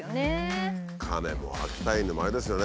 カメも秋田犬もあれですよね。